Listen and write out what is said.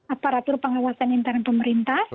aparatur pengawasan intern pemerintah